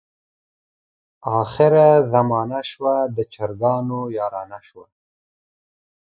اخره زمانه شوه د چرګانو یارانه شوه.